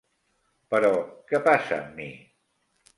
Però, què passa amb mi?